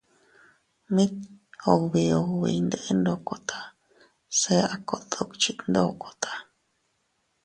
Mit ubi ubi iyndeʼe ndokota se a kot dukchit ndokota.